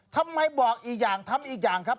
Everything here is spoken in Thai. ทำไมบอกอีกอย่างทำอีกอย่างครับ